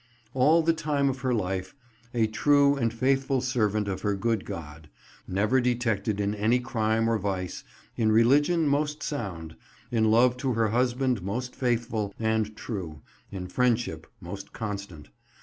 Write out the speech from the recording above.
All the time of her lyfe, a true and faithful servant of her good God; never detected in any crime or vice; in religion most sound; in love to her husband most faithful and true; in friendship most constant.